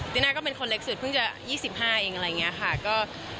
ติน่าก็เป็นคนเล็กสุดเพิ่งจะ๒๕เองอะไรอย่างนี้ค่ะ